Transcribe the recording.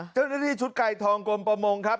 เจ้าหน้าที่ชุดไก่ทองกรมประมงครับ